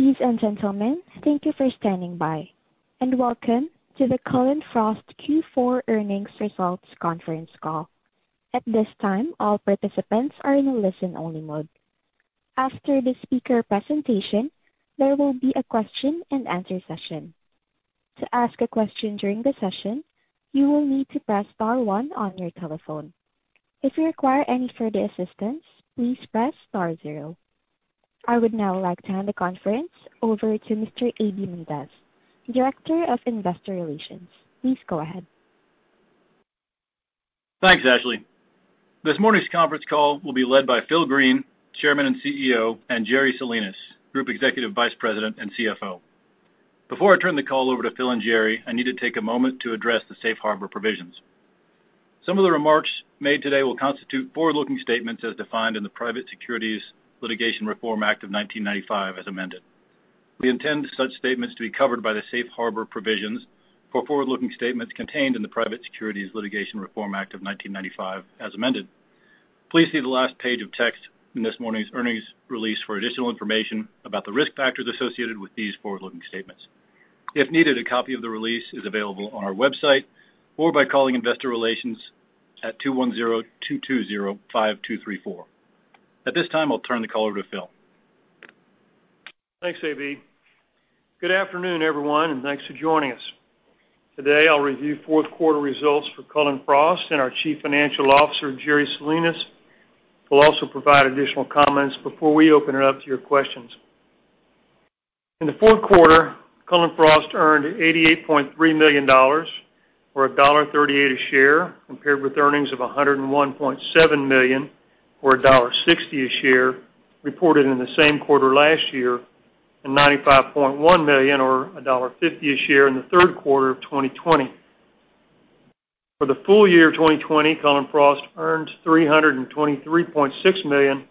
Ladies and gentlemen, thank you for standing by, and welcome to the Cullen/Frost Q4 earnings results conference call. At this time, all participants are in a listen-only mode. After the speaker presentation, there will be a question and answer session. To ask a question during the session, you will need to press star one on your telephone. If you require any further assistance, please press star zero. I would now like to hand the conference over to Mr. AB Mendez, Director of Investor Relations. Please go ahead. Thanks, Ashley. This morning's conference call will be led by Phil Green, Chairman and CEO, and Jerry Salinas, Group Executive Vice President and CFO. Before I turn the call over to Phil and Jerry, I need to take a moment to address the safe harbor provisions. Some of the remarks made today will constitute forward-looking statements as defined in the Private Securities Litigation Reform Act of 1995 as amended. We intend such statements to be covered by the safe harbor provisions for forward-looking statements contained in the Private Securities Litigation Reform Act of 1995 as amended. Please see the last page of text in this morning's earnings release for additional information about the risk factors associated with these forward-looking statements. If needed, a copy of the release is available on our website or by calling Investor Relations at 210-220-5234. At this time, I'll turn the call over to Phil. Thanks, AB. Good afternoon, everyone, and thanks for joining us. Today, I'll review fourth quarter results for Cullen/Frost, and our Chief Financial Officer, Jerry Salinas, will also provide additional comments before we open it up to your questions. In the fourth quarter, Cullen/Frost earned $88.3 million, or $1.38 a share, compared with earnings of $101.7 million, or $1.60 a share, reported in the same quarter last year, and $95.1 million or $1.50 a share in the third quarter of 2020. For the full year of 2020, Cullen/Frost earned $323.6 million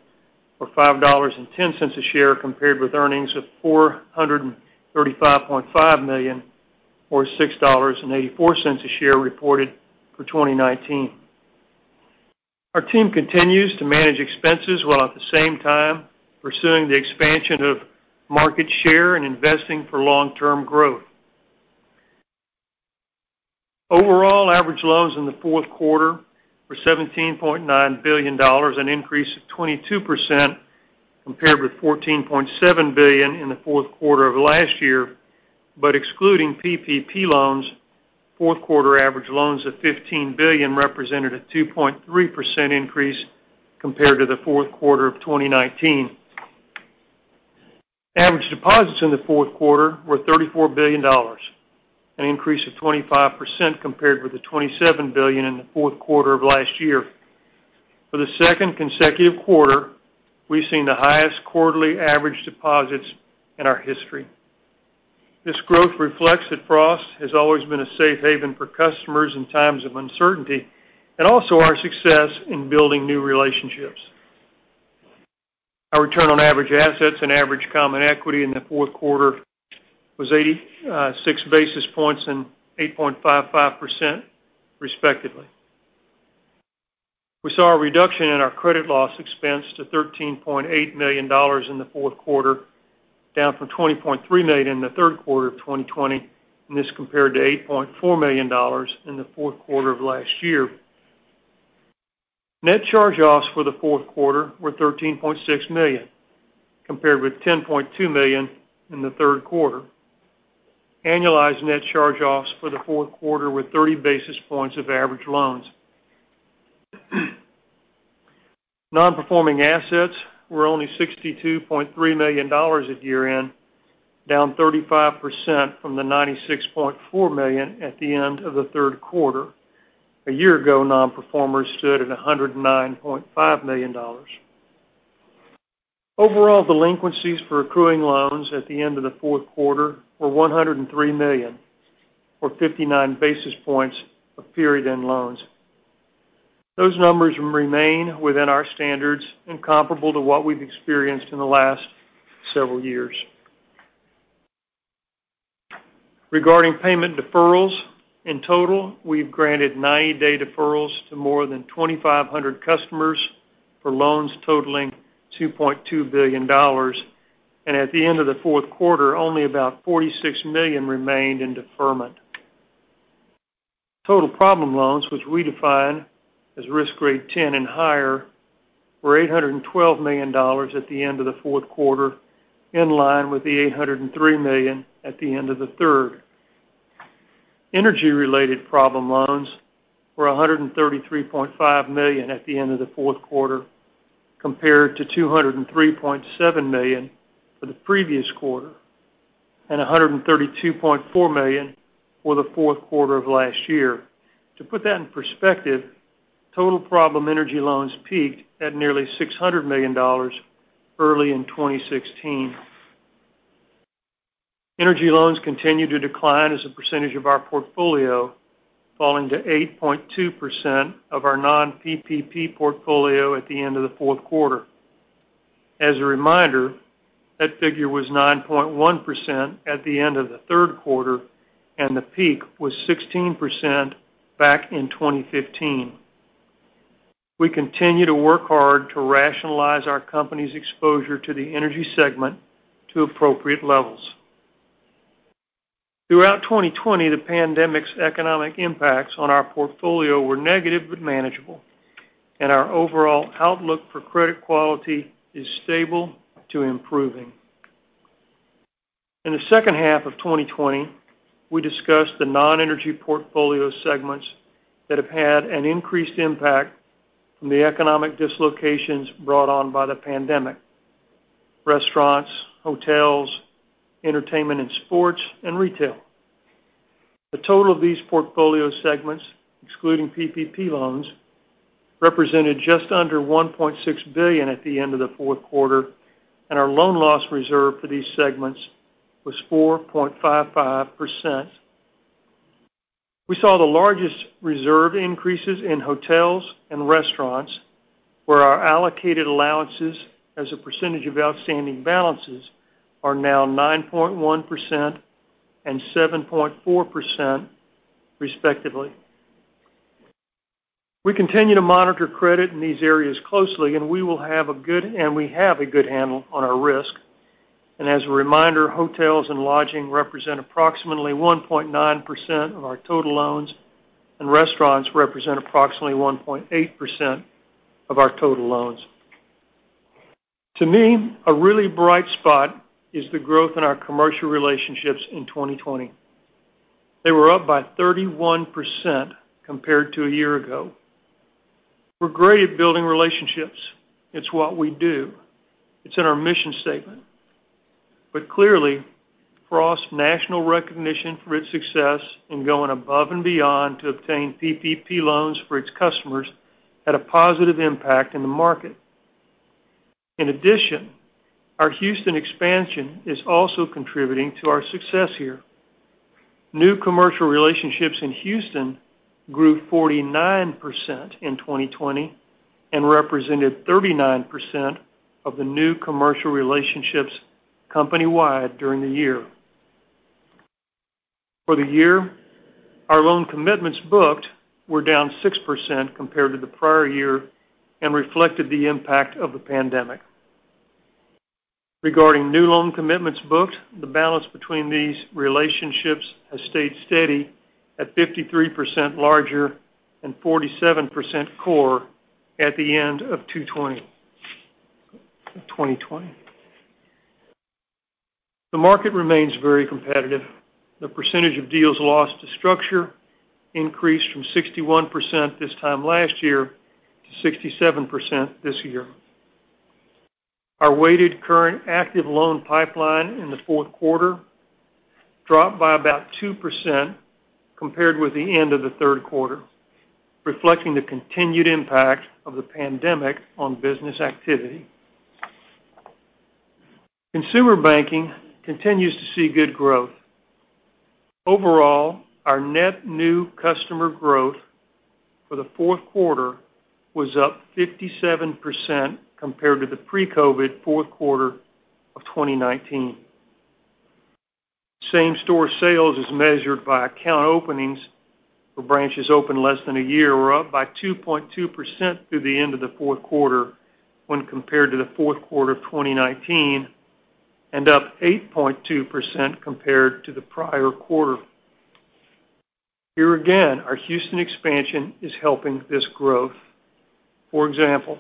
or $5.10 a share compared with earnings of $435.5 million or $6.84 a share reported for 2019. Our team continues to manage expenses while at the same time pursuing the expansion of market share and investing for long-term growth. Overall average loans in the fourth quarter were $17.9 billion, an increase of 22%, compared with $14.7 billion in the fourth quarter of last year. Excluding PPP loans, fourth quarter average loans of $15 billion represented a 2.3% increase compared to the fourth quarter of 2019. Average deposits in the fourth quarter were $34 billion, an increase of 25% compared with the $27 billion in the fourth quarter of last year. For the second consecutive quarter, we've seen the highest quarterly average deposits in our history. This growth reflects that Frost has always been a safe haven for customers in times of uncertainty, and also our success in building new relationships. Our return on average assets and average common equity in the fourth quarter was 86 basis points and 8.55%, respectively. We saw a reduction in our credit loss expense to $13.8 million in the fourth quarter, down from $20.3 million in the third quarter of 2020, and this compared to $8.4 million in the fourth quarter of last year. Net charge-offs for the fourth quarter were $13.6 million, compared with $10.2 million in the third quarter. Annualized net charge-offs for the fourth quarter were 30 basis points of average loans. Non-performing assets were only $62.3 million at year-end, down 35% from the $96.4 million at the end of the third quarter. A year ago, non-performers stood at $109.5 million. Overall delinquencies for accruing loans at the end of the fourth quarter were $103 million or 59 basis points of period-end loans. Those numbers remain within our standards and comparable to what we've experienced in the last several years. Regarding payment deferrals, in total, we've granted 90-day deferrals to more than 2,500 customers for loans totaling $2.2 billion. At the end of the fourth quarter, only about $46 million remained in deferment. Total problem loans, which we define as risk grade 10 and higher, were $812 million at the end of the fourth quarter, in line with the $803 million at the end of the third. Energy-related problem loans were $133.5 million at the end of the fourth quarter, compared to $203.7 million for the previous quarter and $132.4 million for the fourth quarter of last year. To put that in perspective, total problem energy loans peaked at nearly $600 million early in 2016. Energy loans continued to decline as a percentage of our portfolio, falling to 8.2% of our non-PPP portfolio at the end of the fourth quarter. As a reminder, that figure was 9.1% at the end of the third quarter. The peak was 16% back in 2015. We continue to work hard to rationalize our company's exposure to the energy segment to appropriate levels. Throughout 2020, the pandemic's economic impacts on our portfolio were negative but manageable, and our overall outlook for credit quality is stable to improving. In the second half of 2020, we discussed the non-energy portfolio segments that have had an increased impact from the economic dislocations brought on by the pandemic: restaurants, hotels, entertainment and sports, and retail. The total of these portfolio segments, excluding PPP loans, represented just under $1.6 billion at the end of the fourth quarter. Our loan loss reserve for these segments was 4.55%. We saw the largest reserve increases in hotels and restaurants, where our allocated allowances as a percentage of outstanding balances are now 9.1% and 7.4%, respectively. We continue to monitor credit in these areas closely, and we have a good handle on our risk. As a reminder, hotels and lodging represent approximately 1.9% of our total loans, and restaurants represent approximately 1.8% of our total loans. To me, a really bright spot is the growth in our commercial relationships in 2020. They were up by 31% compared to a year ago. We're great at building relationships. It's what we do. It's in our mission statement. Clearly, Frost's national recognition for its success in going above and beyond to obtain PPP loans for its customers had a positive impact in the market. In addition, our Houston expansion is also contributing to our success here. New commercial relationships in Houston grew 49% in 2020 and represented 39% of the new commercial relationships company-wide during the year. For the year, our loan commitments booked were down 6% compared to the prior year and reflected the impact of the pandemic. Regarding new loan commitments booked, the balance between these relationships has stayed steady at 53% larger and 47% core at the end of 2020. The market remains very competitive. The percentage of deals lost to structure increased from 61% this time last year to 67% this year. Our weighted current active loan pipeline in the fourth quarter dropped by about 2% compared with the end of the third quarter, reflecting the continued impact of the pandemic on business activity. Consumer banking continues to see good growth. Overall, our net new customer growth for the fourth quarter was up 57% compared to the pre-COVID fourth quarter of 2019. Same-store sales as measured by account openings for branches open less than a year were up by 2.2% through the end of the fourth quarter when compared to the fourth quarter of 2019, and up 8.2% compared to the prior quarter. Here again, our Houston expansion is helping this growth. For example,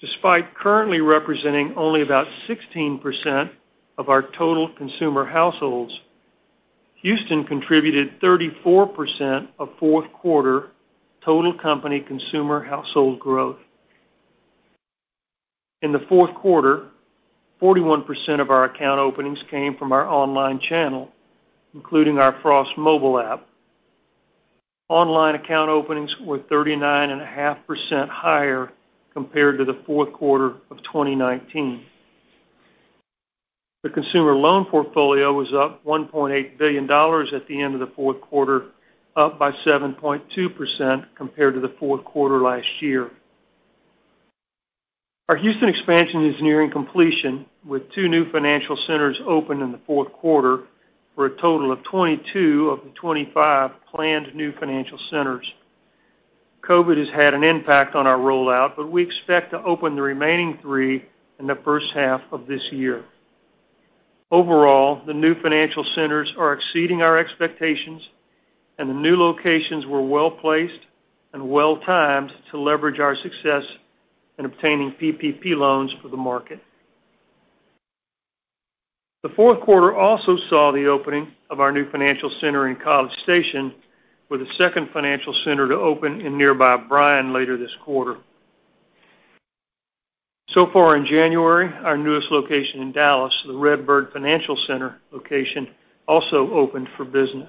despite currently representing only about 16% of our total consumer households, Houston contributed 34% of fourth quarter total company consumer household growth. In the fourth quarter, 41% of our account openings came from our online channel, including our Frost Mobile app. Online account openings were 39.5% higher compared to the fourth quarter of 2019. The consumer loan portfolio was up $1.8 billion at the end of the fourth quarter, up by 7.2% compared to the fourth quarter last year. Our Houston expansion is nearing completion, with two new financial centers opened in the fourth quarter for a total of 22 of the 25 planned new financial centers. COVID has had an impact on our rollout, but we expect to open the remaining three in the first half of this year. Overall, the new financial centers are exceeding our expectations, and the new locations were well-placed and well-timed to leverage our success in obtaining PPP loans for the market. The fourth quarter also saw the opening of our new financial center in College Station, with a second financial center to open in nearby Bryan later this quarter. Far in January, our newest location in Dallas, the Red Bird Financial Center location, also opened for business.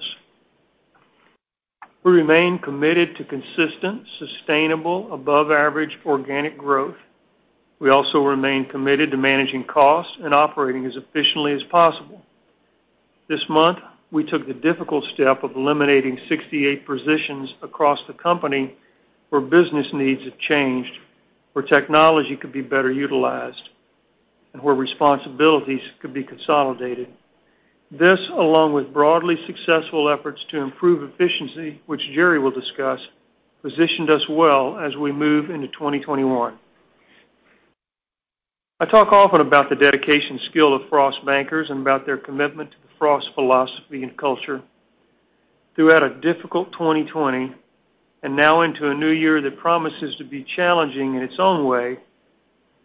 We remain committed to consistent, sustainable, above-average organic growth. We also remain committed to managing costs and operating as efficiently as possible. This month, we took the difficult step of eliminating 68 positions across the company where business needs have changed, where technology could be better utilized and where responsibilities could be consolidated. This, along with broadly successful efforts to improve efficiency, which Jerry will discuss, positioned us well as we move into 2021. I talk often about the dedication skill of Frost bankers and about their commitment to the Frost philosophy and culture. Throughout a difficult 2020, and now into a new year that promises to be challenging in its own way,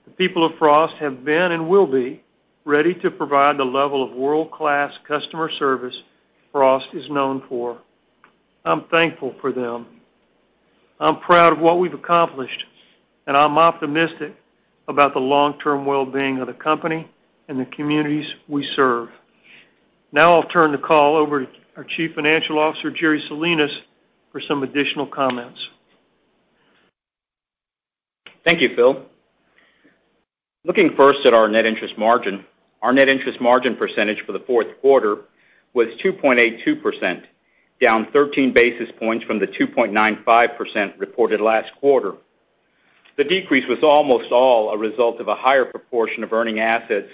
the people of Frost have been and will be ready to provide the level of world-class customer service Frost is known for. I'm thankful for them. I'm proud of what we've accomplished, and I'm optimistic about the long-term wellbeing of the company and the communities we serve. Now I'll turn the call over to our Chief Financial Officer, Jerry Salinas, for some additional comments. Thank you, Phil. Looking first at our net interest margin, our net interest margin percentage for the fourth quarter was 2.82%, down 13 basis points from the 2.95% reported last quarter. The decrease was almost all a result of a higher proportion of earning assets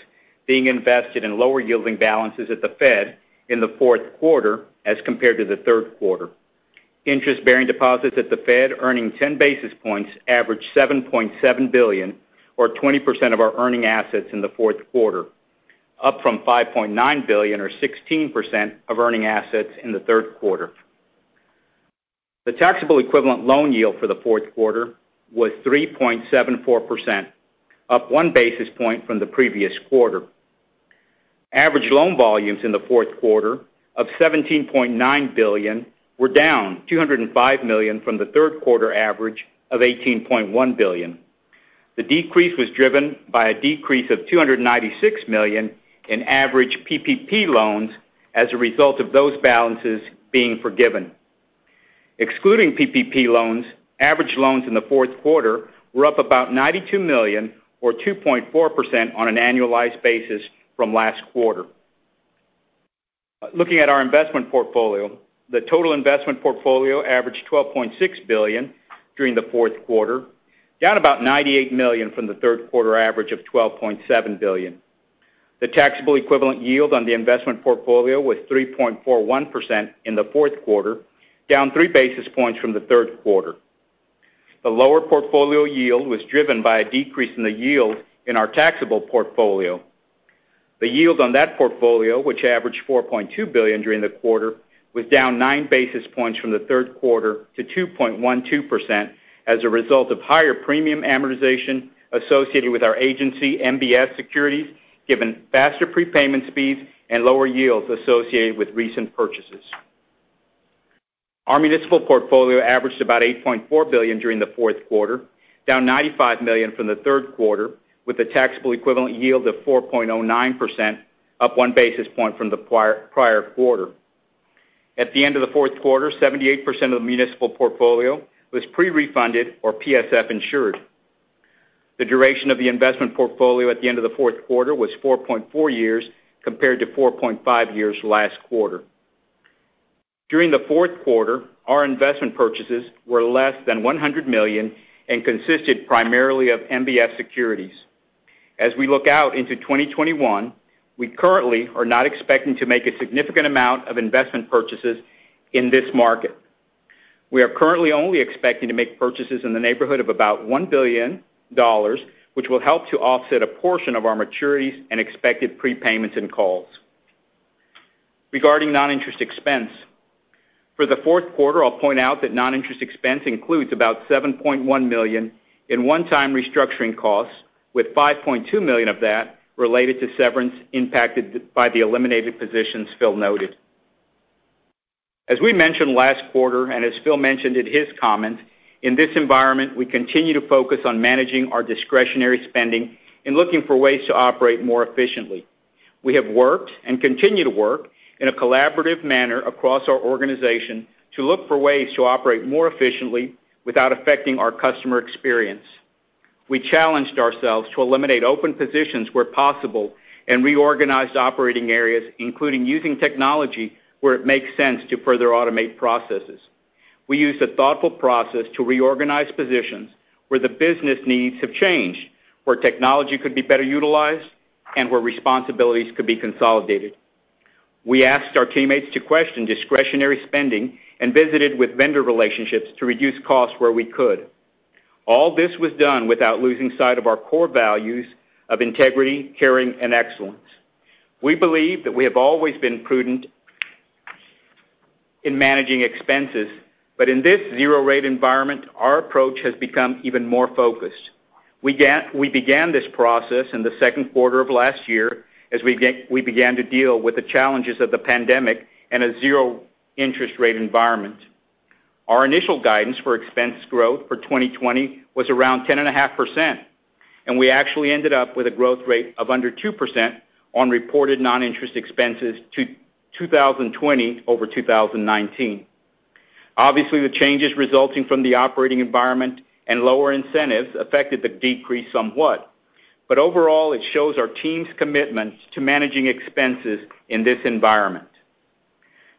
being invested in lower-yielding balances at the Fed in the fourth quarter as compared to the third quarter. Interest-bearing deposits at the Fed earning 10 basis points averaged $7.7 billion, or 20% of our earning assets in the fourth quarter, up from $5.9 billion, or 16% of earning assets in the third quarter. The taxable equivalent loan yield for the fourth quarter was 3.74%, up one basis point from the previous quarter. Average loan volumes in the fourth quarter of $17.9 billion were down $205 million from the third quarter average of $18.1 billion. The decrease was driven by a decrease of $296 million in average PPP loans as a result of those balances being forgiven. Excluding PPP loans, average loans in the fourth quarter were up about $92 million, or 2.4% on an annualized basis from last quarter. Looking at our investment portfolio, the total investment portfolio averaged $12.6 billion during the fourth quarter, down about $98 million from the third quarter average of $12.7 billion. The taxable equivalent yield on the investment portfolio was 3.41% in the fourth quarter, down three basis points from the third quarter. The lower portfolio yield was driven by a decrease in the yield in our taxable portfolio. The yield on that portfolio, which averaged $4.2 billion during the quarter, was down nine basis points from the third quarter to 2.12% as a result of higher premium amortization associated with our agency MBS securities, given faster prepayment speeds and lower yields associated with recent purchases. Our municipal portfolio averaged about $8.4 billion during the fourth quarter, down $95 million from the third quarter, with a taxable equivalent yield of 4.09%, up one basis point from the prior quarter. At the end of the fourth quarter, 78% of the municipal portfolio was pre-refunded or PSF insured. The duration of the investment portfolio at the end of the fourth quarter was 4.4 years, compared to 4.5 years last quarter. During the fourth quarter, our investment purchases were less than $100 million and consisted primarily of MBS securities. As we look out into 2021, we currently are not expecting to make a significant amount of investment purchases in this market. We are currently only expecting to make purchases in the neighborhood of about $1 billion, which will help to offset a portion of our maturities and expected prepayments and calls. Regarding non-interest expense, for the fourth quarter, I'll point out that non-interest expense includes about $7.1 million in one-time restructuring costs, with $5.2 million of that related to severance impacted by the eliminated positions Phil noted. As we mentioned last quarter, and as Phil mentioned in his comments, in this environment, we continue to focus on managing our discretionary spending and looking for ways to operate more efficiently. We have worked and continue to work in a collaborative manner across our organization to look for ways to operate more efficiently without affecting our customer experience. We challenged ourselves to eliminate open positions where possible and reorganized operating areas, including using technology where it makes sense to further automate processes. We used a thoughtful process to reorganize positions where the business needs have changed, where technology could be better utilized, and where responsibilities could be consolidated. We asked our teammates to question discretionary spending and visited with vendor relationships to reduce costs where we could. All this was done without losing sight of our core values of integrity, caring, and excellence. We believe that we have always been prudent in managing expenses, but in this zero-rate environment, our approach has become even more focused. We began this process in the second quarter of last year as we began to deal with the challenges of the pandemic and a zero interest rate environment. Our initial guidance for expense growth for 2020 was around 10.5%, and we actually ended up with a growth rate of under 2% on reported non-interest expenses to 2020 over 2019. Obviously, the changes resulting from the operating environment and lower incentives affected the decrease somewhat, but overall, it shows our team's commitment to managing expenses in this environment.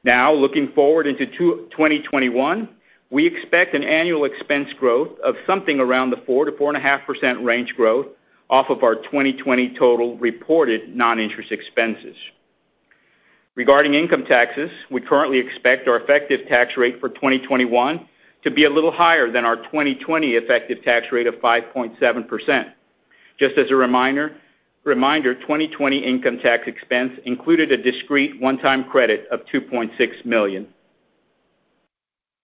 Now looking forward into 2021, we expect an annual expense growth of something around the 4%-4.5% range growth off of our 2020 total reported non-interest expenses. Regarding income taxes, we currently expect our effective tax rate for 2021 to be a little higher than our 2020 effective tax rate of 5.7%. Just as a reminder, 2020 income tax expense included a discrete one-time credit of $2.6 million.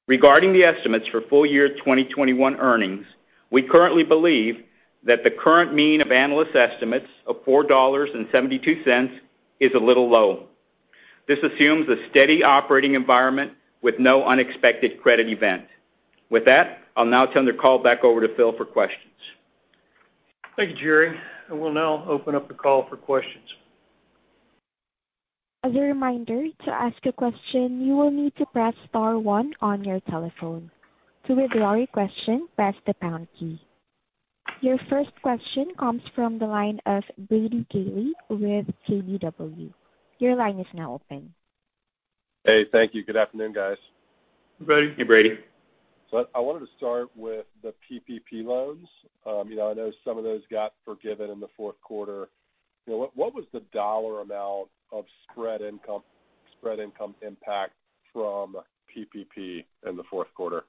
Regarding the estimates for full year 2021 earnings, we currently believe that the current mean of analyst estimates of $4.72 is a little low. This assumes a steady operating environment with no unexpected credit event. With that, I'll now turn the call back over to Phil for questions. Thank you, Jerry. I will now open up the call for questions. As a reminder, to ask a question, you will need to press star one on your telephone. To withdraw your question, press the pound key. Your first question comes from the line of Brady Gailey with KBW. Your line is now open. Hey, thank you. Good afternoon, guys. Hey, Brady. Hey, Brady. I wanted to start with the PPP loans. I know some of those got forgiven in the fourth quarter. What was the dollar amount of spread income impact from PPP in the fourth quarter?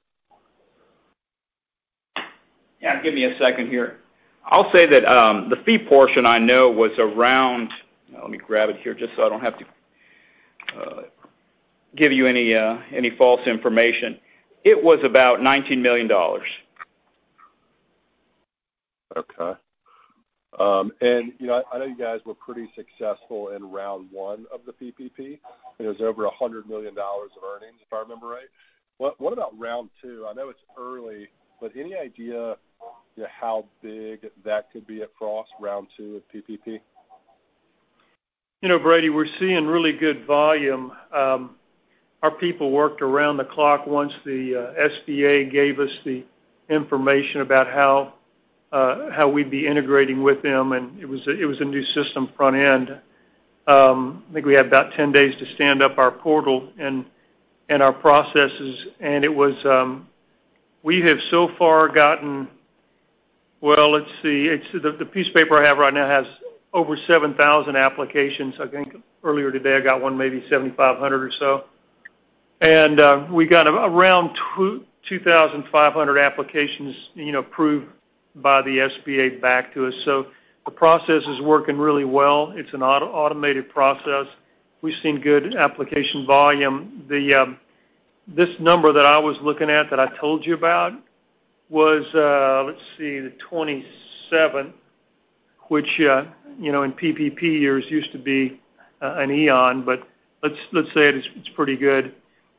Yeah, give me a second here. I'll say that, the fee portion I know was around Let me grab it here just so I don't have to give you any false information. It was about $19 million. Okay. I know you guys were pretty successful in round one of the PPP. It was over $100 million of earnings, if I remember right. What about round two? I know it's early, but any idea how big that could be at Frost, round two of PPP? Brady, we're seeing really good volume. Our people worked around the clock once the SBA gave us the information about how we'd be integrating with them, and it was a new system front end. I think we had about 10 days to stand up our portal and our processes. We have so far gotten, well, let's see. The piece of paper I have right now has over 7,000 applications. I think earlier today I got one, maybe 7,500 or so. We got around 2,500 applications approved by the SBA back to us. The process is working really well. It's an automated process. We've seen good application volume. This number that I was looking at that I told you about was, let's see, the 27th, which, in PPP years used to be an eon, but let's say it's pretty good.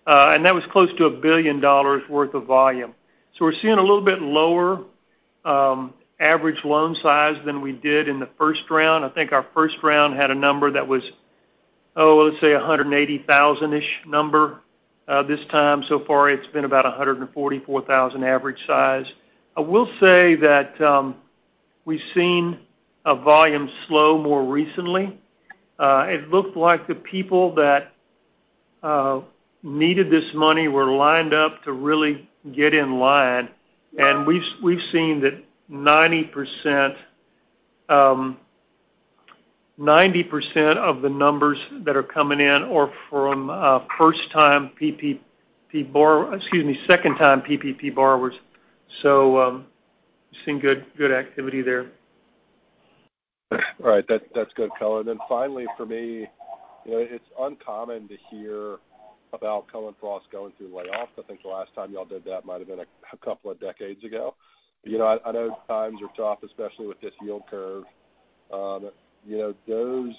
That was close to $1 billion worth of volume. We're seeing a little bit lower average loan size than we did in the first round. I think our first round had a number that was, let's say, 180,000-ish number. This time so far it's been about 144,000 average size. I will say that we've seen a volume slow more recently. It looked like the people that needed this money were lined up to really get in line. We've seen that 90% of the numbers that are coming in are from second time PPP borrowers. We're seeing good activity there. Right. That's good color. Finally for me, it's uncommon to hear about Cullen/Frost going through layoffs. I think the last time y'all did that might have been a couple of decades ago. I know times are tough, especially with this yield curve. Those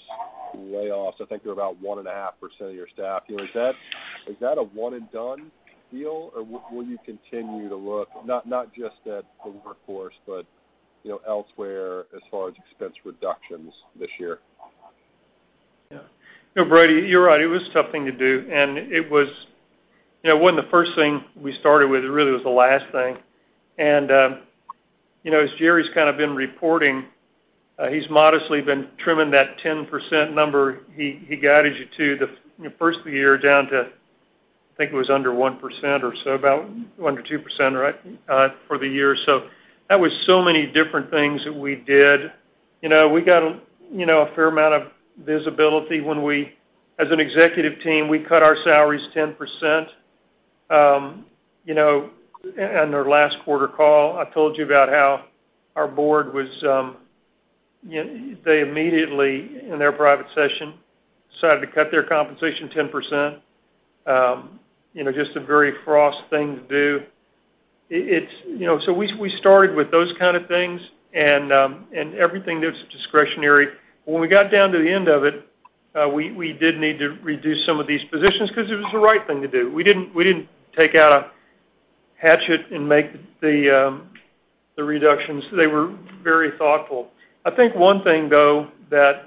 layoffs, I think they're about 1.5% of your staff. Is that a one and done deal, or will you continue to look, not just at the workforce, but elsewhere as far as expense reductions this year? Brady, you're right, it was a tough thing to do. It wasn't the first thing we started with, it really was the last thing. As Jerry's kind of been reporting, he's modestly been trimming that 10% number he guided you to the first of the year down to, I think it was under 1% or so, about 1%-2%, right? For the year. That was so many different things that we did. We got a fair amount of visibility when we, as an executive team, we cut our salaries 10%. On our last quarter call, I told you about how our board immediately, in their private session, decided to cut their compensation 10%. Just a very Frost thing to do. We started with those kind of things and everything that's discretionary. When we got down to the end of it, we did need to reduce some of these positions because it was the right thing to do. We didn't take out a hatchet and make the reductions. They were very thoughtful. I think one thing, though, that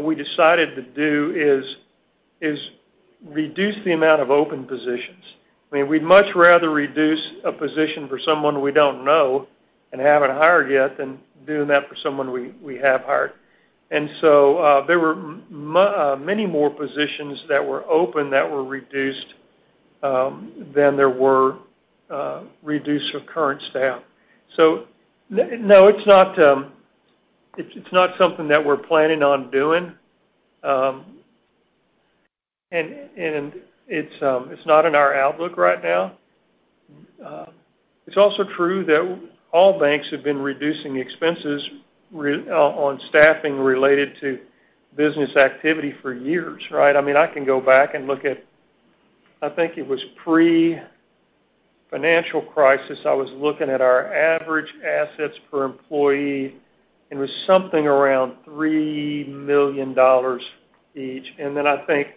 we decided to do is reduce the amount of open positions. We'd much rather reduce a position for someone we don't know and haven't hired yet than doing that for someone we have hired. There were many more positions that were open that were reduced, than there were reduced current staff. No, it's not something that we're planning on doing. It's not in our outlook right now. It's also true that all banks have been reducing expenses on staffing related to business activity for years, right? I can go back and look at, I think it was pre-financial crisis, I was looking at our average assets per employee. It was something around $3 million each. I think,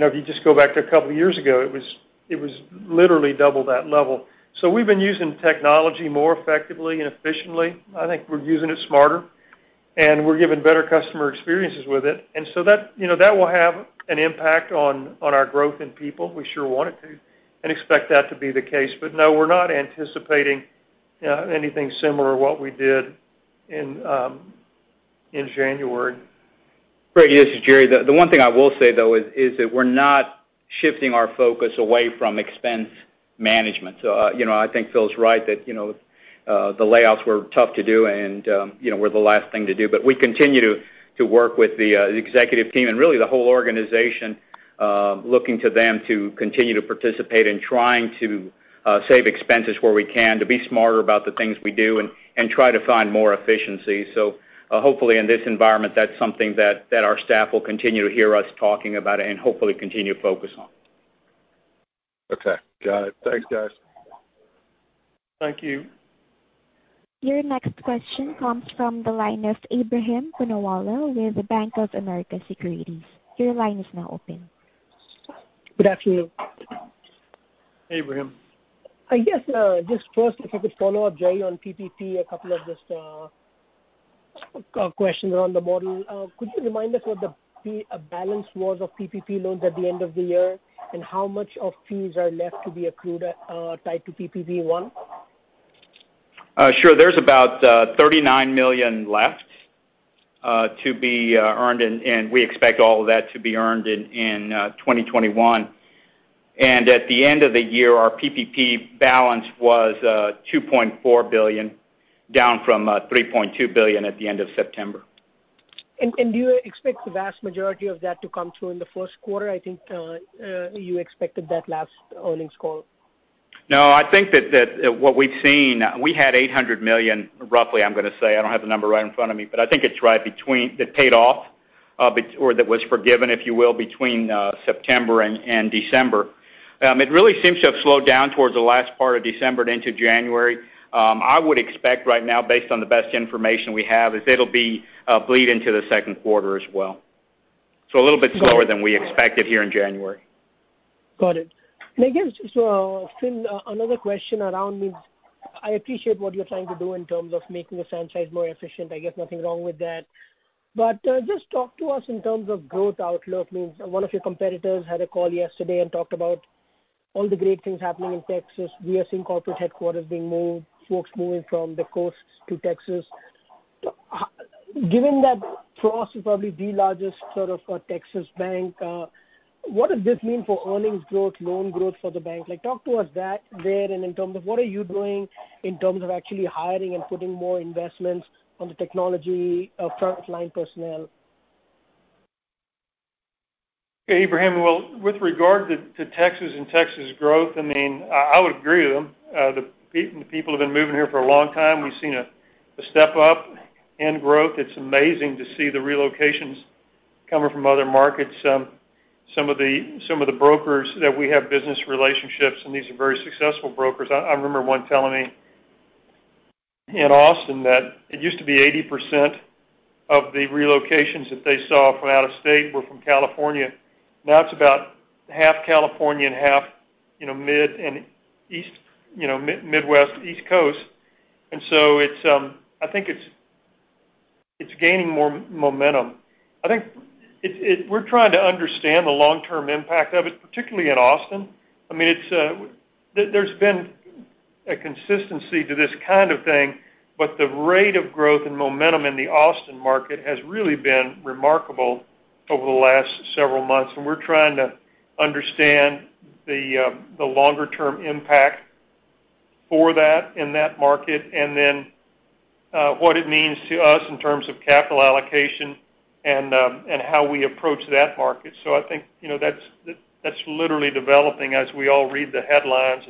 if you just go back to a couple of years ago, it was literally double that level. We've been using technology more effectively and efficiently. I think we're using it smarter, and we're giving better customer experiences with it. That will have an impact on our growth in people. We sure want it to and expect that to be the case. No, we're not anticipating anything similar to what we did in January. Brady, this is Jerry. The one thing I will say, though, is that we're not shifting our focus away from expense management. I think Phil's right that the layoffs were tough to do and were the last thing to do. We continue to work with the executive team and really the whole organization, looking to them to continue to participate in trying to save expenses where we can, to be smarter about the things we do, and try to find more efficiency. Hopefully in this environment, that's something that our staff will continue to hear us talking about and hopefully continue to focus on. Okay. Got it. Thanks, guys. Thank you. Your next question comes from the line of Ebrahim Poonawala with the Bank of America Securities. Your line is now open. Good afternoon. Hey Ebrahim. I guess, just first, if you could follow up, Jerry, on PPP, a couple of just questions around the model. Could you remind us what the balance was of PPP loans at the end of the year, and how much of fees are left to be accrued tied to PPP one? Sure. There's about $39 million left to be earned, and we expect all of that to be earned in 2021. At the end of the year, our PPP balance was $2.4 billion, down from $3.2 billion at the end of September. Do you expect the vast majority of that to come through in the first quarter? I think you expected that last earnings call. No, we had $800 million roughly, I'm going to say. I don't have the number right in front of me. I think it's right between that paid off or that was forgiven, if you will, between September and December. It really seems to have slowed down towards the last part of December and into January. I would expect right now, based on the best information we have, is it'll bleed into the second quarter as well. A little bit slower than we expected here in January. Got it. I guess just another question around I appreciate what you're trying to do in terms of making the franchise more efficient. I guess nothing wrong with that. Just talk to us in terms of growth outlook one of your competitors had a call yesterday and talked about all the great things happening in Texas. We are seeing corporate headquarters being moved, folks moving from the coasts to Texas. Given that Frost is probably the largest sort of Texas bank, what does this mean for earnings growth, loan growth for the bank? Talk to us there in terms of what are you doing in terms of actually hiring and putting more investments on the technology of frontline personnel? Ebrahim, well, with regard to Texas and Texas growth, I would agree with them. The people have been moving here for a long time. We've seen a step up in growth. It's amazing to see the relocations coming from other markets. Some of the brokers that we have business relationships, and these are very successful brokers, I remember one telling me in Austin that it used to be 80% of the relocations that they saw from out of state were from California. Now it's about half California and half Midwest, East Coast. I think it's gaining more momentum. I think we're trying to understand the long-term impact of it, particularly in Austin. There's been a consistency to this kind of thing, but the rate of growth and momentum in the Austin market has really been remarkable over the last several months. We're trying to understand the longer-term impact for that in that market, and then what it means to us in terms of capital allocation and how we approach that market. I think that's literally developing as we all read the headlines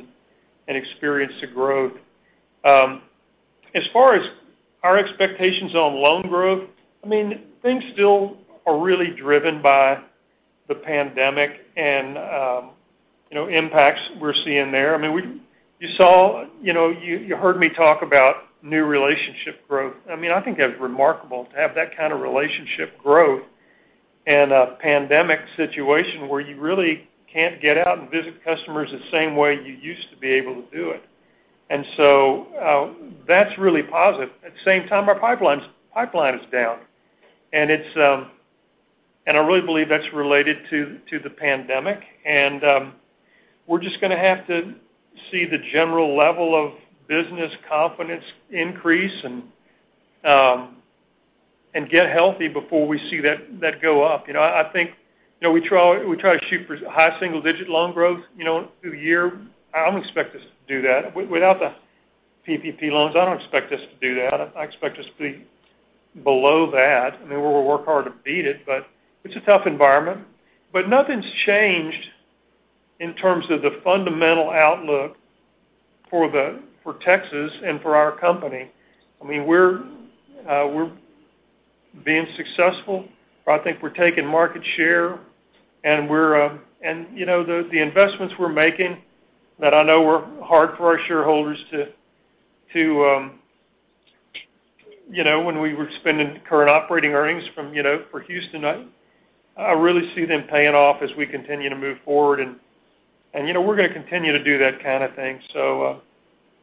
and experience the growth. As far as our expectations on loan growth, things still are really driven by the pandemic and impacts we're seeing there. You heard me talk about new relationship growth. I think that's remarkable to have that kind of relationship growth in a pandemic situation where you really can't get out and visit customers the same way you used to be able to do it. That's really positive. At the same time, our pipeline is down. I really believe that's related to the pandemic. We're just going to have to see the general level of business confidence increase and get healthy before we see that go up. I think we try to shoot for high single-digit loan growth through the year. I don't expect us to do that. Without the PPP loans, I don't expect us to do that. I expect us to be below that. We'll work hard to beat it, but it's a tough environment. Nothing's changed in terms of the fundamental outlook for Texas and for our company. We're being successful. I think we're taking market share, and the investments we're making that I know were hard for our shareholders when we were spending current operating earnings for Houston, I really see them paying off as we continue to move forward, and we're going to continue to do that kind of thing.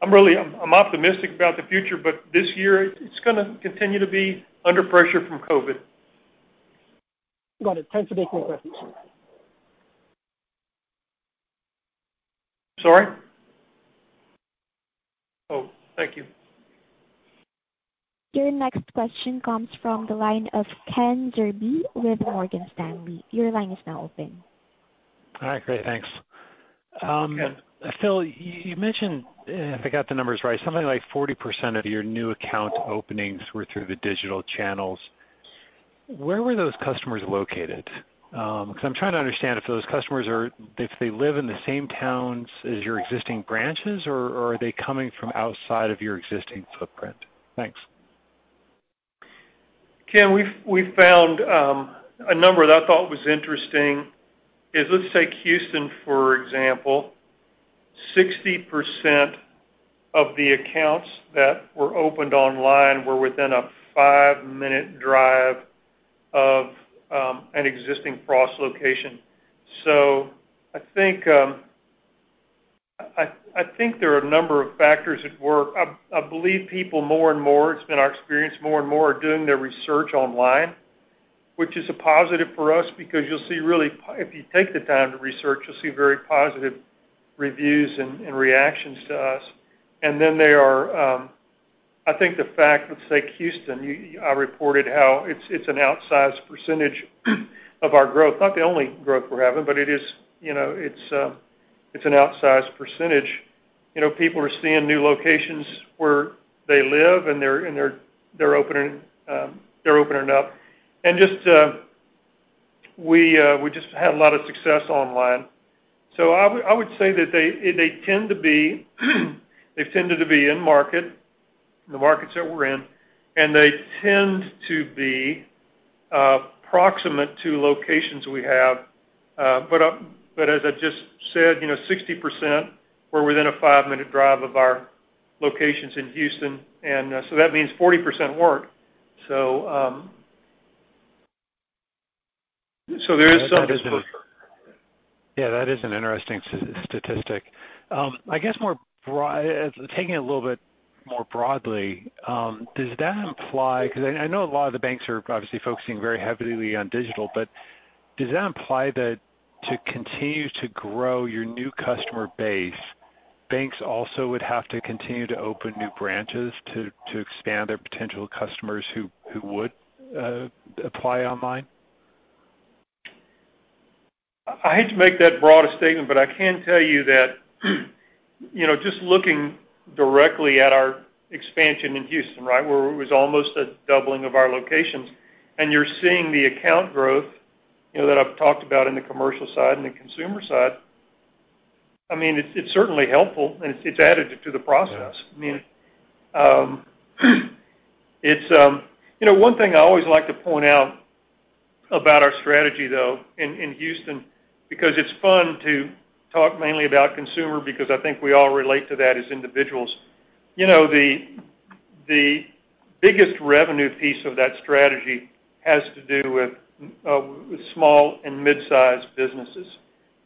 I'm optimistic about the future, but this year, it's going to continue to be under pressure from COVID. Got it. Thanks for taking my questions. Sorry? Oh, thank you. Your next question comes from the line of Ken Zerbe with Morgan Stanley. Hi. Great, thanks. Yeah. Phil, you mentioned, if I got the numbers right, something like 40% of your new account openings were through the digital channels. Where were those customers located? Because I'm trying to understand if those customers, if they live in the same towns as your existing branches, or are they coming from outside of your existing footprint? Thanks. Ken, we found a number that I thought was interesting is, let's take Houston, for example. 60% of the accounts that were opened online were within a five-minute drive of an existing Frost location. I think there are a number of factors at work. I believe people more and more, it's been our experience, more and more, are doing their research online, which is a positive for us because you'll see really, if you take the time to research, you'll see very positive reviews and reactions to us. I think the fact, let's say Houston, I reported how it's an outsized percentage of our growth, not the only growth we're having, but it's an outsized percentage. People are seeing new locations where they live, and they're opening up. We just had a lot of success online. I would say that they've tended to be in market, the markets that we're in, and they tend to be proximate to locations we have. As I just said, 60% were within a five-minute drive of our locations in Houston, and so that means 40% weren't. There is something for sure. Yeah, that is an interesting statistic. I guess taking it a little bit more broadly, does that imply because I know a lot of the banks are obviously focusing very heavily on digital, but does that imply that to continue to grow your new customer base, banks also would have to continue to open new branches to expand their potential customers who would apply online? I hate to make that broad a statement, but I can tell you that just looking directly at our expansion in Houston, where it was almost a doubling of our locations, and you're seeing the account growth that I've talked about in the commercial side and the consumer side. It's certainly helpful, and it's additive to the process. Yeah. One thing I always like to point out about our strategy, though, in Houston, because it's fun to talk mainly about consumer because I think we all relate to that as individuals. The biggest revenue piece of that strategy has to do with small and mid-sized businesses.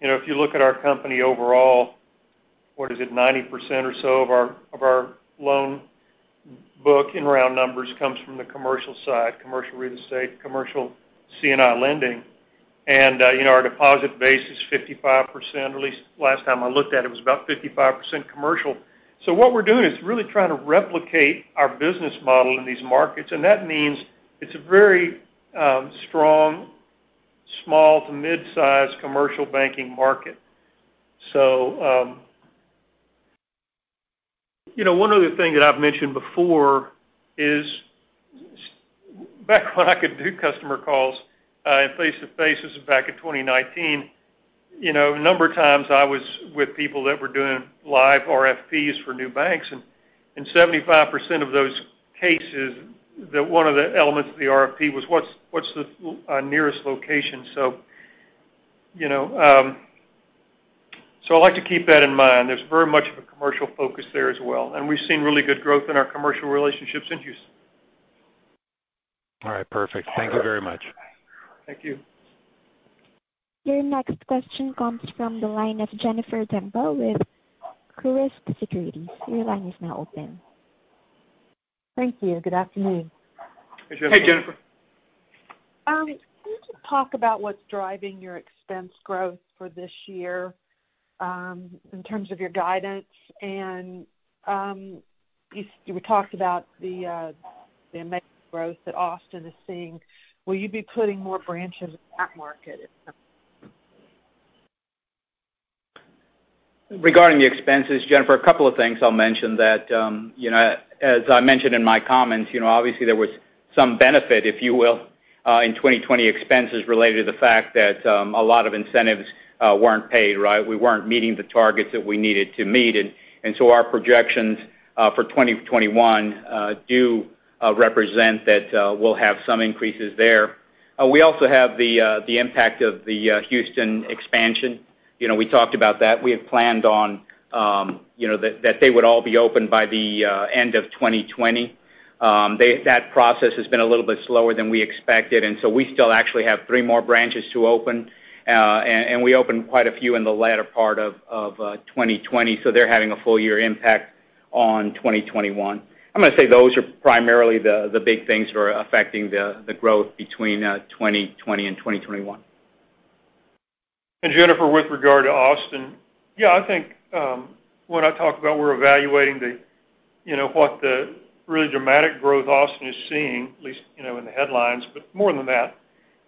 If you look at our company overall, what is it? 90% or so of our loan book, in round numbers, comes from the commercial side, commercial real estate, commercial C&I lending. Our deposit base is 55%, at least last time I looked at it was about 55% commercial. What we're doing is really trying to replicate our business model in these markets, and that means it's a very strong small to mid-size commercial banking market. One other thing that I've mentioned before is back when I could do customer calls and face to faces back in 2019, a number of times I was with people that were doing live RFPs for new banks. 75% of those cases, one of the elements of the RFP was what's the nearest location? I like to keep that in mind. There's very much of a commercial focus there as well, and we've seen really good growth in our commercial relationships in Houston. All right, perfect. Thank you very much. Thank you. Your next question comes from the line of Jennifer Demba with Truist Securities. Your line is now open. Thank you. Good afternoon. Hey, Jennifer. Hey, Jennifer. Can you just talk about what's driving your expense growth for this year, in terms of your guidance? You talked about the amazing growth that Austin is seeing. Will you be putting more branches in that market at some point? Regarding the expenses, Jennifer, a couple of things I'll mention that, as I mentioned in my comments, obviously there was some benefit, if you will, in 2020 expenses related to the fact that a lot of incentives weren't paid, right? We weren't meeting the targets that we needed to meet. Our projections for 2021 do represent that we'll have some increases there. We also have the impact of the Houston expansion. We talked about that. We had planned on that they would all be open by the end of 2020. That process has been a little bit slower than we expected, and so we still actually have three more branches to open. We opened quite a few in the latter part of 2020, so they're having a full year impact on 2021. I'm going to say those are primarily the big things that are affecting the growth between 2020 and 2021. Jennifer, with regard to Austin, yeah, I think, when I talk about we're evaluating what the really dramatic growth Austin is seeing, at least in the headlines, but more than that.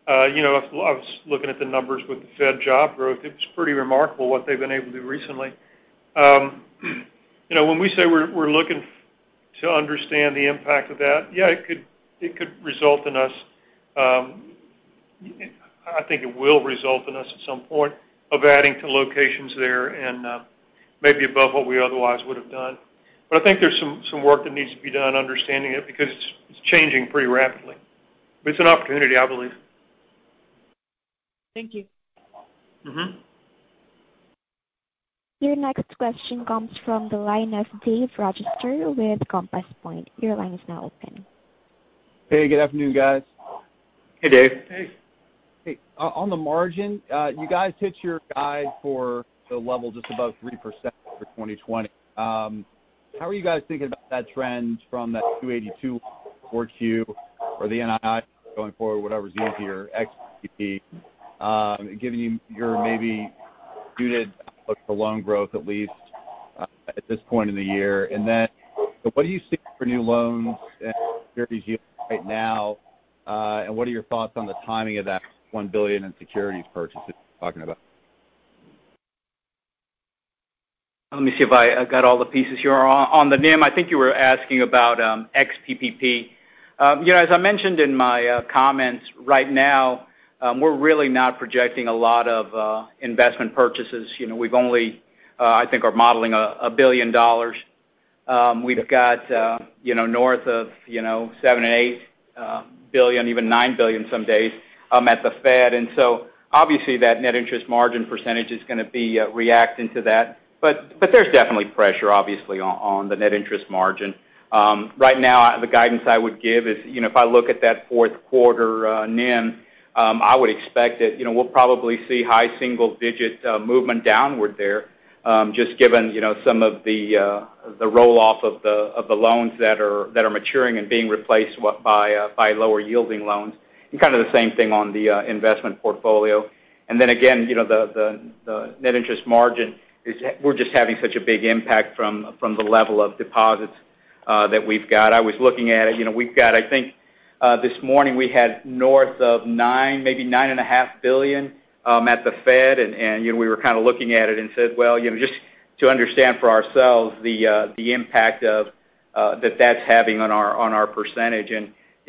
I was looking at the numbers with the Fed job growth. It's pretty remarkable what they've been able to do recently. When we say we're looking to understand the impact of that, yeah, it could result in us, I think it will result in us at some point of adding to locations there and maybe above what we otherwise would've done. I think there's some work that needs to be done understanding it, because it's changing pretty rapidly. It's an opportunity, I believe. Thank you. Your next question comes from the line of Dave Rochester with Compass Point. Your line is now open. Hey, good afternoon, guys. Hey, Dave. Hey. Hey. On the margin, you guys hit your guide for the level just above 3% for 2020. How are you guys thinking about that trend from that 282 4Q or the NII going forward, whatever's easier, ex PPP, giving you your maybe guided outlook for loan growth at least at this point in the year. What are you seeing for new loans and securities yields right now? What are your thoughts on the timing of that $1 billion in securities purchases you were talking about? Let me see if I got all the pieces here. On the NIM, I think you were asking about ex PPP. As I mentioned in my comments, right now, we're really not projecting a lot of investment purchases. We've only, I think, are modeling $1 billion. We've got north of $7 billion and $8 billion, even $9 billion some days, at the Fed. Obviously that net interest margin percentage is going to be reacting to that. There's definitely pressure, obviously, on the net interest margin. Right now, the guidance I would give is, if I look at that fourth quarter NIM, I would expect that we'll probably see high single digits movement downward there, just given some of the roll-off of the loans that are maturing and being replaced by lower yielding loans, and kind of the same thing on the investment portfolio. Again, the net interest margin, we're just having such a big impact from the level of deposits that we've got. I was looking at it. This morning, we had north of $9 billion, maybe $9.5 billion, at the Fed. We were kind of looking at it and said, just to understand for ourselves the impact that that's having on our percentage.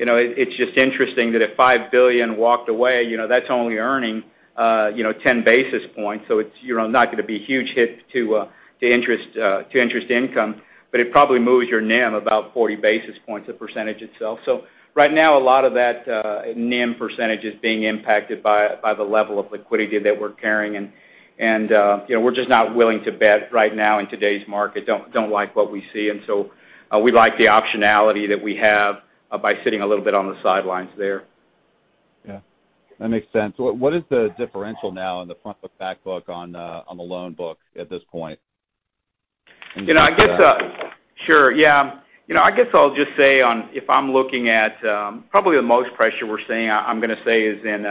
It's just interesting that if $5 billion walked away, that's only earning 10 basis points. It's not going to be a huge hit to interest income, but it probably moves your NIM about 40 basis points, the percentage itself. Right now, a lot of that NIM percentage is being impacted by the level of liquidity that we're carrying. We're just not willing to bet right now in today's market. Don't like what we see. We like the optionality that we have by sitting a little bit on the sidelines there. Yeah. That makes sense. What is the differential now in the front book, back book on the loan book at this point, in terms of that? Sure, yeah. I guess I'll just say, if I'm looking at probably the most pressure we're seeing, I'm going to say, is in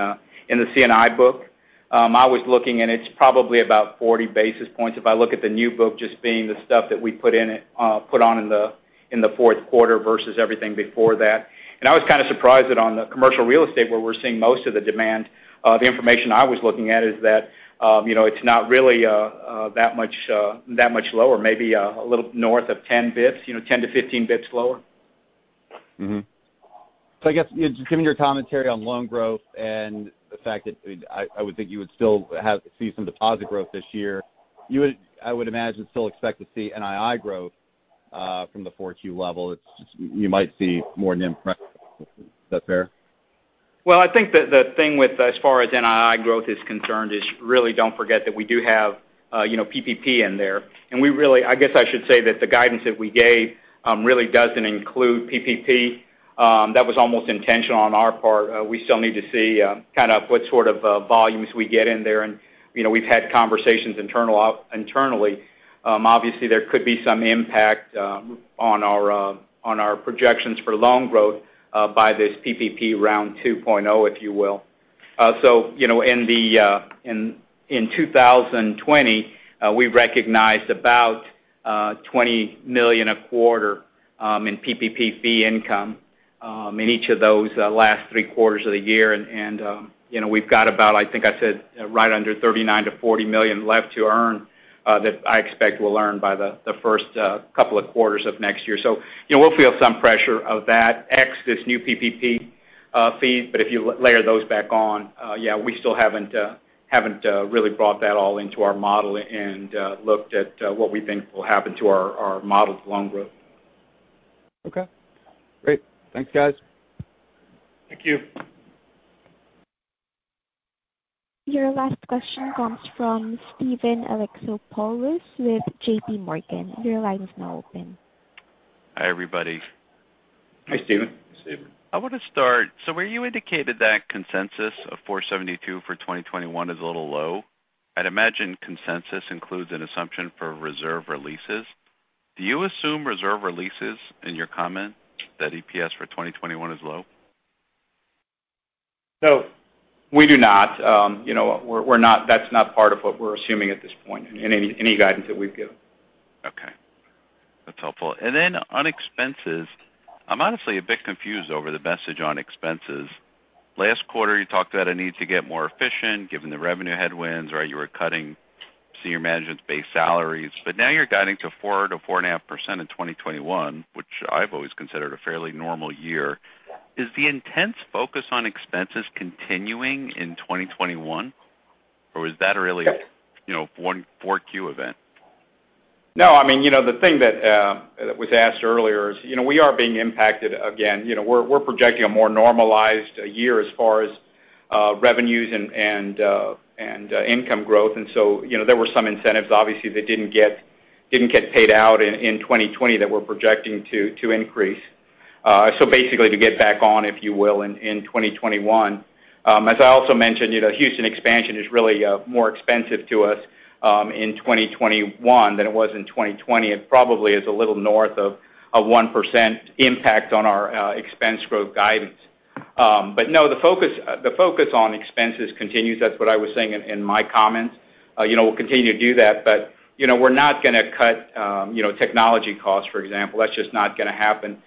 the C&I book. I was looking, and it's probably about 40 basis points. If I look at the new book, just being the stuff that we put on in the fourth quarter versus everything before that. I was kind of surprised that on the commercial real estate where we're seeing most of the demand, the information I was looking at is that it's not really that much lower, maybe a little north of 10 basis points, 10-15 basis points lower. Mm-hmm. I guess, just given your commentary on loan growth and the fact that I would think you would still see some deposit growth this year, you would, I would imagine, still expect to see NII growth from the 4Q level. It's just you might see more NIM pressure. Is that fair? Well, I think the thing with as far as NII growth is concerned is really don't forget that we do have PPP in there. I guess I should say that the guidance that we gave really doesn't include PPP. That was almost intentional on our part. We still need to see what sort of volumes we get in there. We've had conversations internally. Obviously, there could be some impact on our projections for loan growth by this PPP Round 2.0, if you will. In 2020, we recognized about $20 million a quarter in PPP fee income in each of those last three quarters of the year. We've got about, I think I said, right under $39 million to $40 million left to earn, that I expect we'll earn by the first couple of quarters of next year. We'll feel some pressure of that, ex this new PPP fees. If you layer those back on, yeah, we still haven't really brought that all into our model and looked at what we think will happen to our model's loan growth. Okay. Great. Thanks, guys. Thank you. Your last question comes from Steven Alexopoulos with JPMorgan. Your line is now open. Hi, everybody. Hi, Steven. Steven. I want to start, so where you indicated that consensus of $4.72 for 2021 is a little low, I'd imagine consensus includes an assumption for reserve releases. Do you assume reserve releases in your comment that EPS for 2021 is low? No, we do not. That's not part of what we're assuming at this point in any guidance that we've given. Okay. That's helpful. Then on expenses, I'm honestly a bit confused over the message on expenses. Last quarter, you talked about a need to get more efficient given the revenue headwinds. You were cutting senior management's base salaries. Now you're guiding to 4%-4.5% in 2021, which I've always considered a fairly normal year. Is the intense focus on expenses continuing in 2021? Yes. 4Q event? No, the thing that was asked earlier is, we are being impacted again. We're projecting a more normalized year as far as revenues and income growth. There were some incentives, obviously, that didn't get paid out in 2020 that we're projecting to increase. Basically to get back on, if you will, in 2021. As I also mentioned, Houston expansion is really more expensive to us in 2021 than it was in 2020. It probably is a little north of a 1% impact on our expense growth guidance. No, the focus on expenses continues. That's what I was saying in my comments. We'll continue to do that. We're not going to cut technology costs, for example. That's just not going to happen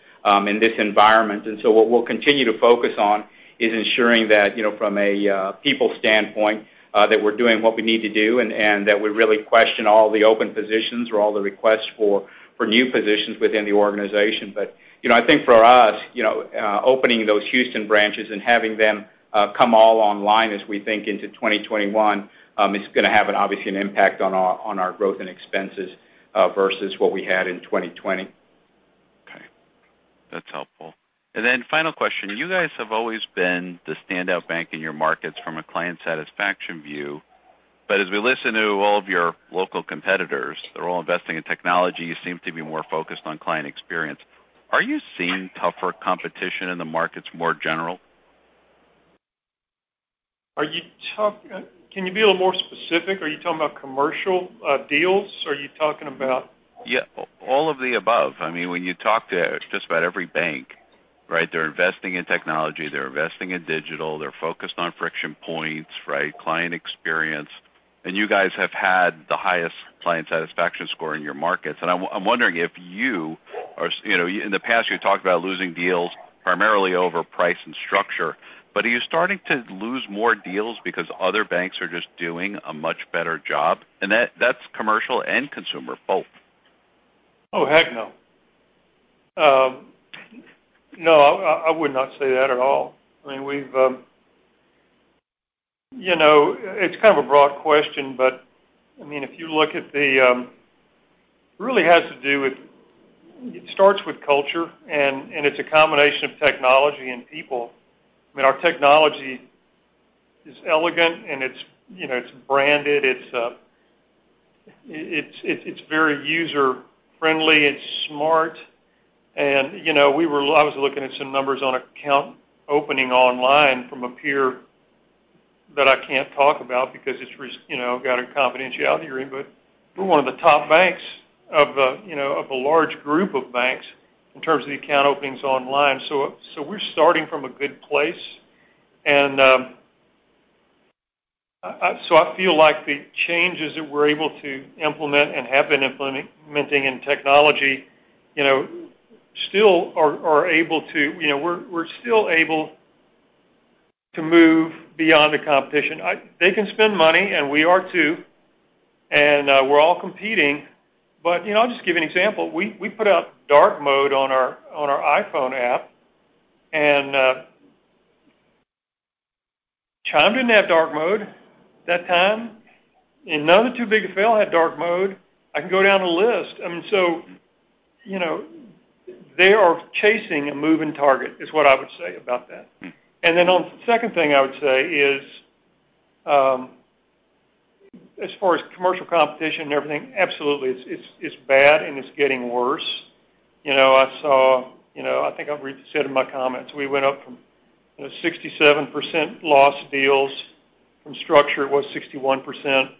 in this environment. What we'll continue to focus on is ensuring that from a people standpoint, that we're doing what we need to do, and that we really question all the open positions or all the requests for new positions within the organization. I think for us, opening those Houston branches and having them come all online as we think into 2021, is going to have, obviously, an impact on our growth and expenses versus what we had in 2020. Okay. That's helpful. Final question. You guys have always been the standout bank in your markets from a client satisfaction view. As we listen to all of your local competitors, they're all investing in technology, you seem to be more focused on client experience. Are you seeing tougher competition in the markets more general? Can you be a little more specific? Are you talking about commercial deals? Yeah. All of the above. When you talk to just about every bank, they're investing in technology, they're investing in digital, they're focused on friction points, client experience. you guys have had the highest client satisfaction score in your markets. I'm wondering In the past, you talked about losing deals primarily over price and structure, but are you starting to lose more deals because other banks are just doing a much better job? that's commercial and consumer both. Oh, heck no. No, I would not say that at all. It's kind of a broad question. It starts with culture, it's a combination of technology and people. Our technology is elegant, it's branded. It's very user-friendly. It's smart. I was looking at some numbers on account opening online from a peer that I can't talk about because it's got a confidentiality agreement. We're one of the top banks of a large group of banks in terms of the account openings online. We're starting from a good place. I feel like the changes that we're able to implement and have been implementing in technology, we're still able to move beyond the competition. They can spend money, we are too. We're all competing. I'll just give you an example. We put out dark mode on our iPhone app. Chime didn't have dark mode that time. None of the too big to fail had dark mode. I can go down the list. They are chasing a moving target, is what I would say about that. On the second thing I would say, as far as commercial competition and everything, absolutely. It's bad, and it's getting worse. I think I've said in my comments, we went up from 67% loss deals. From structure, it was 61%.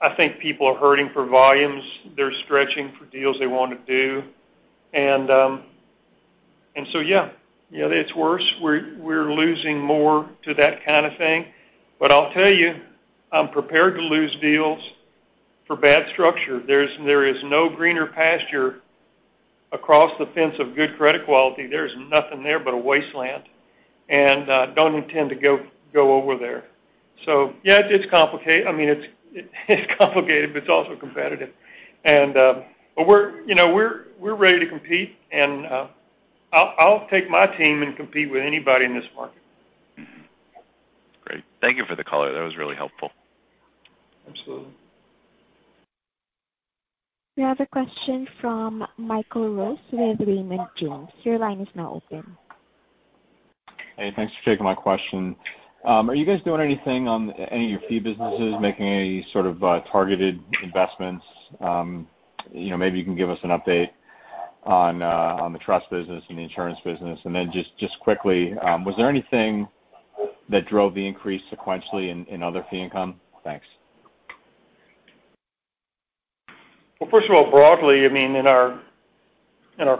I think people are hurting for volumes. They're stretching for deals they want to do. Yeah. It's worse. We're losing more to that kind of thing. I'll tell you, I'm prepared to lose deals for bad structure. There is no greener pasture across the fence of good credit quality. There's nothing there but a wasteland. Don't intend to go over there. Yeah, it's complicated, but it's also competitive. We're ready to compete, and I'll take my team and compete with anybody in this market. Great. Thank you for the color. That was really helpful. Absolutely. We have a question from Michael Rose with Raymond James. Your line is now open. Hey, thanks for taking my question. Are you guys doing anything on any of your fee businesses, making any sort of targeted investments? Maybe you can give us an update on the trust business and the insurance business. Just quickly, was there anything that drove the increase sequentially in other fee income? Thanks. Well, first of all, broadly, in our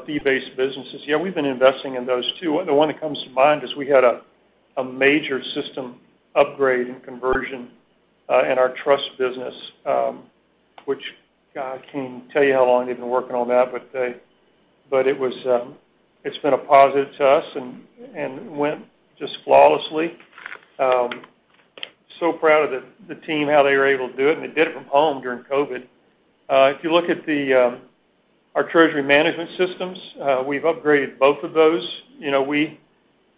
fee-based businesses, yeah, we've been investing in those too. The one that comes to mind is we had a major system upgrade and conversion in our trust business, which I can't tell you how long they've been working on that, but it's been a positive to us and went just flawlessly. Proud of the team, how they were able to do it, and they did it from home during COVID. If you look at our treasury management systems, we've upgraded both of those.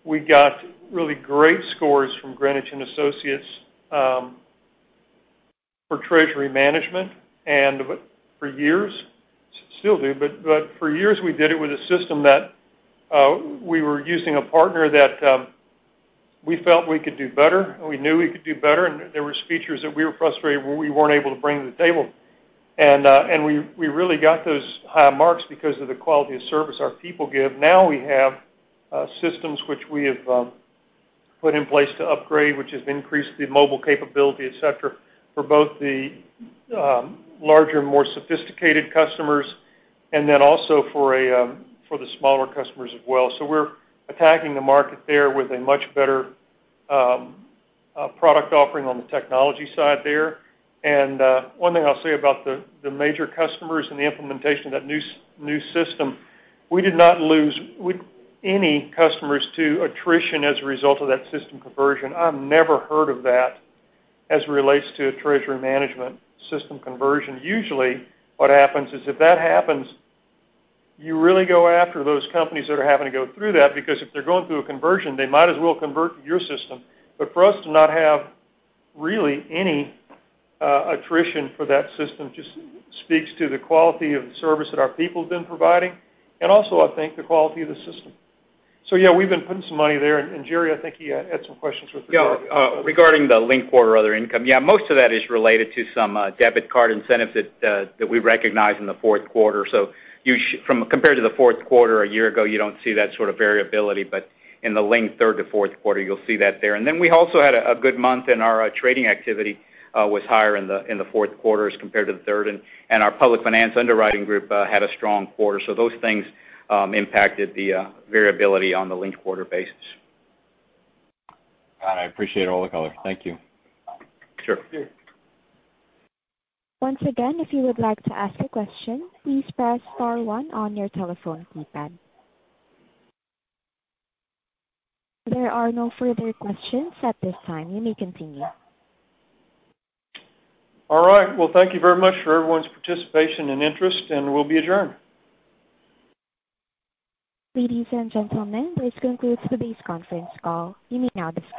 We got really great scores from Greenwich Associates for treasury management. For years, still do, but for years, we did it with a system that we were using a partner that we felt we could do better, and we knew we could do better, and there were features that we were frustrated where we weren't able to bring to the table. We really got those high marks because of the quality of service our people give. Now we have systems which we have put in place to upgrade, which has increased the mobile capability, et cetera, for both the larger, more sophisticated customers, and then also for the smaller customers as well. We're attacking the market there with a much better product offering on the technology side there. One thing I'll say about the major customers and the implementation of that new system, we did not lose any customers to attrition as a result of that system conversion. I've never heard of that as it relates to a treasury management system conversion. Usually, what happens is if that happens, you really go after those companies that are having to go through that because if they're going through a conversion, they might as well convert to your system. For us to not have really any attrition for that system just speaks to the quality of the service that our people have been providing, and also, I think the quality of the system. Yeah, we've been putting some money there. Jerry, I think he had some questions with the. Yeah. Regarding the linked quarter other income. Yeah, most of that is related to some debit card incentives that we recognize in the fourth quarter. Compared to the fourth quarter a year ago, you don't see that sort of variability, but in the linked third to fourth quarter, you'll see that there. We also had a good month in our trading activity was higher in the fourth quarter as compared to the third. Our public finance underwriting group had a strong quarter. Those things impacted the variability on the linked quarter basis. Got it. I appreciate all the color. Thank you. Sure. Sure. There are no further questions at this time. You may continue. All right. Well, thank you very much for everyone's participation and interest, and we'll be adjourned. Ladies and gentlemen, this concludes the base conference call. You may now disconnect.